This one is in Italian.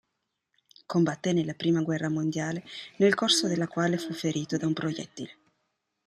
Combatté nella Prima Guerra Mondiale, nel corso della quale fu ferito da un proiettile.